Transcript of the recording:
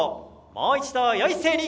もう一度、よい姿勢に。